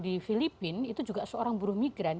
di filipina itu juga seorang buruh migran